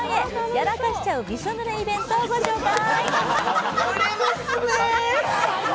やらかしちゃうびしょ濡れイベントをご紹介。